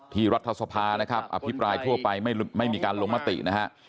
รัฐสภานะครับอภิปรายทั่วไปไม่มีการลงมตินะฮะ